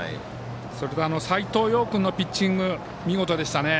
それと斎藤蓉君のピッチング見事でしたよね。